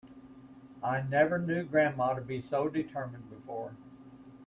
I never knew grandma to be so determined before.